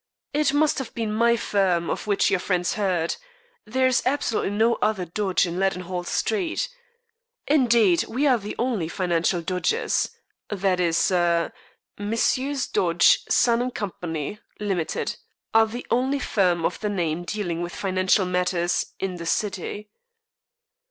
It must have been my firm of which your friends heard. There is absolutely no other Dodge in Leadenhall Street. Indeed, we are the only financial Dodges that is er Messrs. Dodge, Son & Co. (Limited) are the only firm of the name dealing with financial matters in the city."